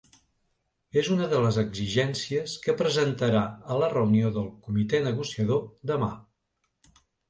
És una de les exigències que presentarà a la reunió del comitè negociador, demà.